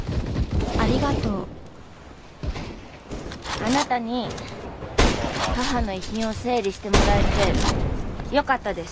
あなたに母の遺品を整理してもらえてよかったです。